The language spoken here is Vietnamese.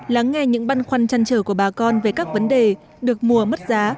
lắng nghe những băn khoăn chăn trở của bà con về các vấn đề được mua mất giá